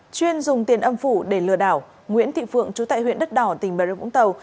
chuyên dùng tiền âm phủ để lừa đảo nguyễn thị phượng chú tại huyện đất đỏ tỉnh bà rơ vũng tàu